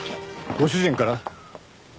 ご主人から？